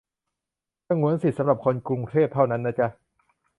สงวนสิทธิ์สำหรับคนกรุงเทพเท่านั้นนะจ๊ะ